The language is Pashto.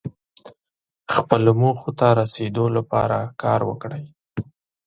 خپلو موخو ته رسیدو لپاره کار وکړئ.